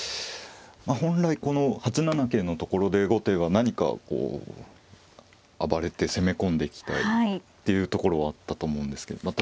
本来この８七桂のところで後手が何かこう暴れて攻め込んで来てっていうところはあったと思うんですけど。